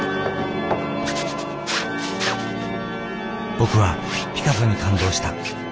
僕はピカソに感動した。